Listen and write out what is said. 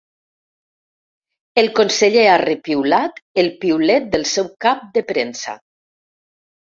El conseller ha repiulat el piulet del seu cap de premsa.